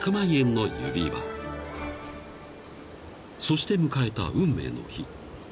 そして迎えた運命の日］